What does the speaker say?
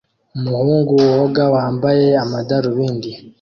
Umuhungu woga wambaye amadarubindi